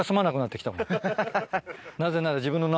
なぜなら。